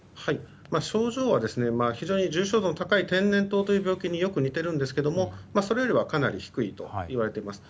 症状は非常に重症度の高い天然痘という病気に非常に似ているんですがそれよりはかなり低いと言われています。